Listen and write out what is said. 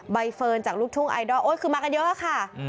ใบเฟิร์นจากลูกทุ่งไอดอลโอ๊ยคือมากันเยอะค่ะ